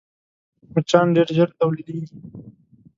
مچان ډېر ژر تولیدېږي